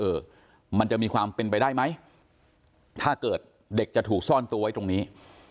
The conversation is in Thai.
เออมันจะมีความเป็นไปได้ไหมถ้าเกิดเด็กจะถูกซ่อนตัวไว้ตรงนี้